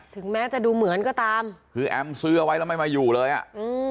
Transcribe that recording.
ถึงแม้จะดูเหมือนก็ตามคือแอมซื้อเอาไว้แล้วไม่มาอยู่เลยอ่ะอืม